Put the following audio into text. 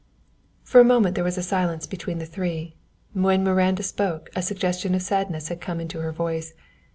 For a moment there was silence between the three. When Miranda spoke, a suggestion of sadness had come into her voice.